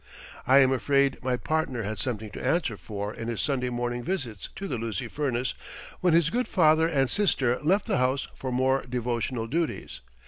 I am afraid my partner had something to answer for in his Sunday morning visits to the Lucy Furnace when his good father and sister left the house for more devotional duties.